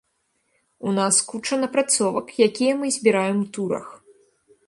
У нас куча напрацовак, якія мы збіраем у турах.